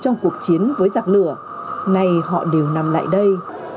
trong cuộc chiến với giặc lửa nay họ đều nằm lại đây